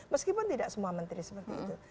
meskipun tidak semua menteri seperti itu